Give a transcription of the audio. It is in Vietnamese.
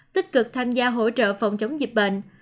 tích cực tham gia hỗ trợ phòng chống dịch bệnh